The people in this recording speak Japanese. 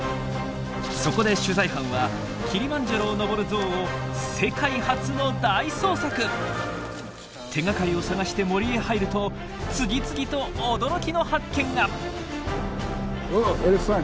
そこで取材班はキリマンジャロを登るゾウを手がかりを探して森へ入ると次々と驚きの発見が！